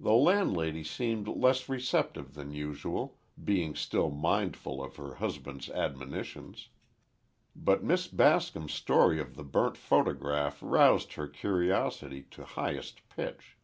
The landlady seemed less receptive than usual, being still mindful of her husband's admonitions. But Miss Bascom's story of the burnt photograph roused her curiosity to highest pitch.